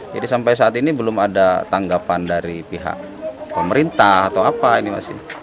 jadi sampai saat ini belum ada tanggapan dari pihak pemerintah atau apa ini masih